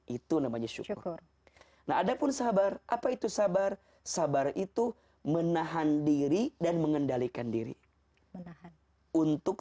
itu namanya syukur nah ada pun sabar apa itu sabar sabar itu menahan diri dan mengendalikan diri untuk